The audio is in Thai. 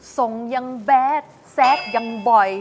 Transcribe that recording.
ส่งยังแบดแซคยังบ่อย